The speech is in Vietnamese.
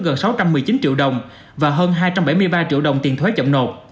gần sáu trăm một mươi chín triệu đồng và hơn hai trăm bảy mươi ba triệu đồng tiền thuế chậm nộp